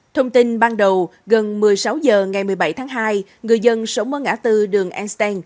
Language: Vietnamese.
thông tin ban đầu gần một mươi sáu h ngày một mươi bảy tháng hai người dân sống ở ngã tư đường einstein